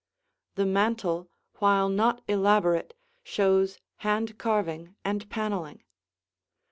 The mantel, while not elaborate, shows hand carving and paneling.